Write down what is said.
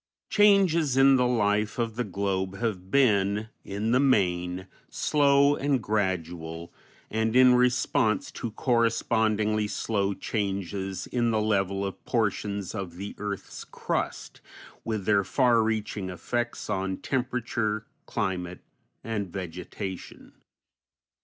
Changes in the life of the globe have been in the main slow and gradual, and in response to correspondingly slow changes in the level of portions of the earth's crust, with their far reaching effects on temperature, climate, and vegetation.